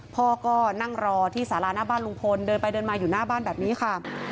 พ่อก็นั่งรอที่สาราหน้าบ้านลุงพลเดินไปเดินมาอยู่หน้าบ้านแบบนี้ค่ะ